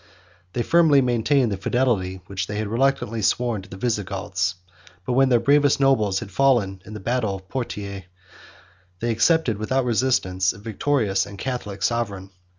They firmly maintained the fidelity which they had reluctantly sworn to the Visigoths, out when their bravest nobles had fallen in the battle of Poitiers, they accepted, without resistance, a victorious and Catholic sovereign.